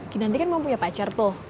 kita nanti kan mau punya pacar tuh